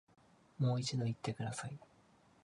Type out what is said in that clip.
もう一度言ってください